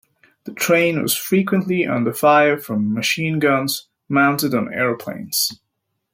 The train was frequently under fire from machine guns mounted on aeroplanes.